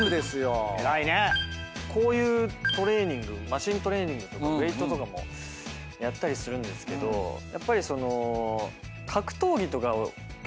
マシントレーニングとかウエートとかもやったりするんですけどやっぱりその。